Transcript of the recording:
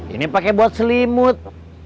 ini pake buat selimut